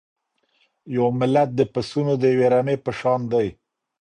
یو ملت د پسونو د یوې رمې په شان دی.